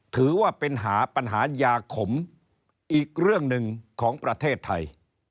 ถือว่าเป็นหาปัญหายาขมอีกเรื่องหนึ่งของประเทศไทย